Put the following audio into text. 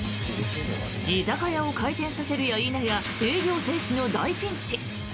居酒屋を開店させるや否や営業停止の大ピンチ。